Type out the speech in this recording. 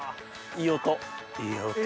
いい音。